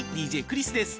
ＤＪクリスです。